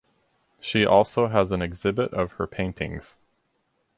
She also has an exhibit of her paintings.